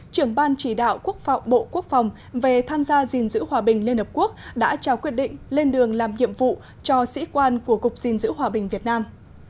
trưởng ban chỉ đạo bộ quốc phòng về tham gia gìn giữ hòa bình liên hợp quốc đã trao quyết định lên đường làm nhiệm vụ cho sĩ quan của cục gìn giữ hòa bình việt nam